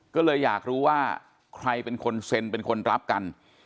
ก็เลยอยากรู้ว่าใครเป็นคนเซ็นเป็นคนรับกัน